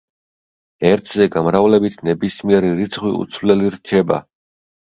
ერთზე გამრავლებით ნებისმიერი რიცხვი უცვლელი რჩება.